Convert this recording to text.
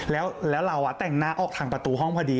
แล้วเราแต่งหน้าออกทางประตูห้องพอดี